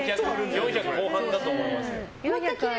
４００後半ぐらいだと思いますよ。